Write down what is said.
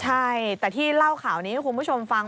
ใช่แต่ที่เล่าข่าวนี้ให้คุณผู้ชมฟัง